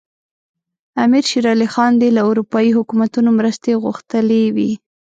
امیر شېر علي خان دې له اروپایي حکومتونو مرستې غوښتلي وي.